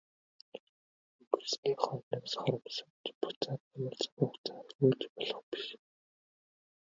Өнгөрсний хойноос харамсавч буцаад ямар цаг хугацааг эргүүлж болох биш.